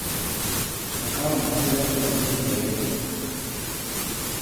Makao makuu yapo jijini Nairobi.